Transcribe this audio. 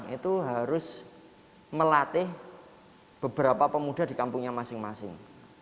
itu harus melatih beberapa pemuda di kampungnya masing masing